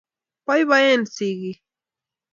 poipoen sikik